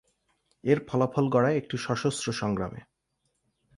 এর ফলাফল গড়ায় একটি সশস্ত্র সংগ্রামে।